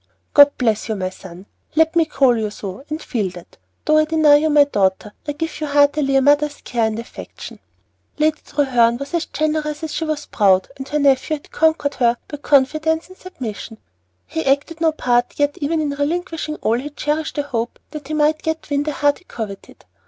"God bless you, my son! Let me call you so, and feel that, though I deny you my daughter, I give you heartily a mother's care and affection." Lady Treherne was as generous as she was proud, and her nephew had conquered her by confidence and submission. He acted no part, yet, even in relinquishing all, he cherished a hope that he might yet win the heart he coveted.